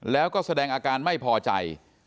แล้วก็แสดงอาการไม่พอใจ